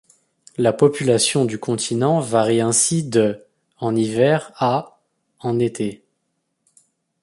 La population du continent varie ainsi de en hiver à en été.